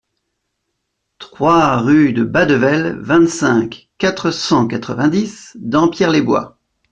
trois rue de Badevel, vingt-cinq, quatre cent quatre-vingt-dix, Dampierre-les-Bois